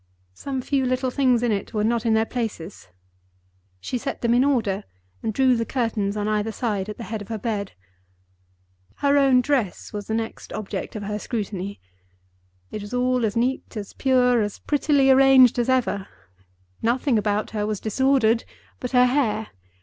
Some few little things in it were not in their places. She set them in order, and drew the curtains on either side at the head of her bed. Her own dress was the next object of her scrutiny. It was all as neat, as pure, as prettily arranged as ever. Nothing about her was disordered but her hair.